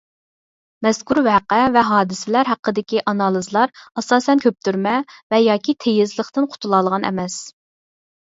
مەزكۇر ۋەقە ۋە ھادىسىلەر ھەققىدىكى ئانالىزلار ئاساسەن كۆپتۈرمە ۋە ياكى تېيىزلىقتىن قۇتۇلالىغان ئەمەس.